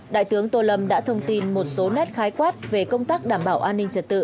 đại tướng tô lâm đã thông tin một số nét khái quát về công tác đảm bảo an ninh trật tự